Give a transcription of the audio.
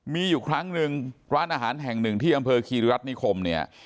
มีอยู่ครั้งหนึ่งร้านอาหารแห่งหนึ่งที่อำเภอคีริรัฐนิคมเนี่ย